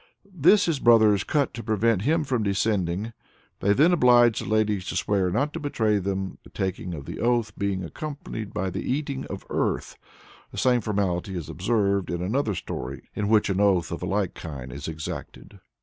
This his brothers cut to prevent him from descending. They then oblige the ladies to swear not to betray them, the taking of the oath being accompanied by the eating of earth. The same formality is observed in another story in which an oath of a like kind is exacted.